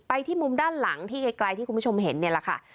ที่มุมด้านหลังที่ไกลที่คุณผู้ชมเห็นเนี่ยแหละค่ะ